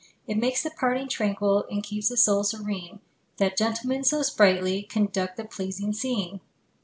It makes the parting tranquil And keeps the soul serene, That gentlemen so sprightly Conduct the pleasing scene!